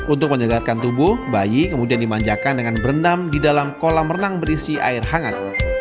untuk menyegarkan tubuh bayi kemudian dimanjakan dengan berendam di dalam kolam renang berisi air hangat